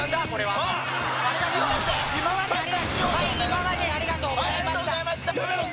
はいありがとうございましたやめろ！